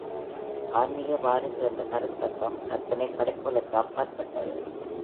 "ஆன்மீக வாரிசு" என்ற கருத்தக்கம் கற்பனைப் படைப்புகளுக்கு அப்பாற்பட்டது.